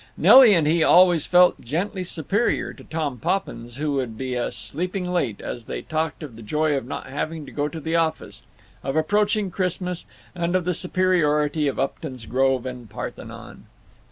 Nelly and he always felt gently superior to Tom Poppins, who would be a sleeping late, as they talked of the joy of not having to go to the office, of approaching Christmas, and of the superiority of Upton's Grove and Parthenon.